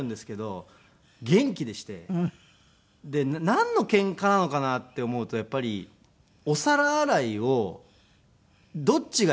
なんのケンカなのかなって思うとやっぱりお皿洗いをどっちがやったとか。